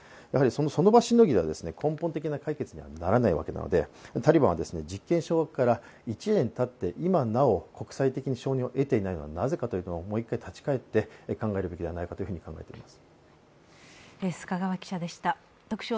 その場しのぎでは根本的な解決にならないわけで、タリバンは実権掌握から１年たって今なお承認を得ていないのはなぜかというのをもう一回立ち返って考えるべきではないかと思います。